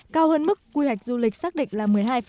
cao hơn mức quy hoạch du lịch xác định là một mươi hai sáu mươi ba